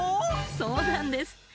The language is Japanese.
そうなんです。